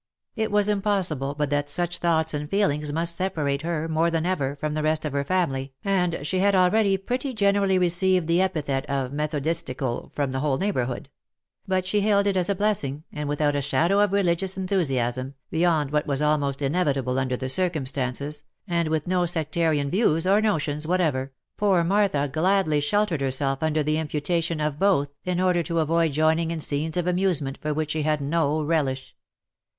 It was impossible but that such thoughts and feelings must separate her, more than ever, from the rest of her family, and she had already pretty generally received the epithet of methodistical, from the whole neighbourhood ; but she hailed it as a blessing, and without a shadow of religious enthusiasm, beyond what was almost inevitable under the circumstances, and with no sectarian views or notions what ever, poor Martha gladly sheltered herself under the imputation of both iu order to avoid joining in scenes of amusement for which she had no relish.